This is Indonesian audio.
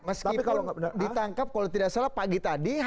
meskipun ditangkap kalau tidak salah pagi tadi